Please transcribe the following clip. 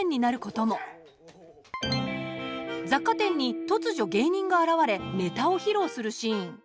雑貨店に突如芸人が現れネタを披露するシーン。